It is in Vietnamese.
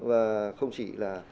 và không chỉ là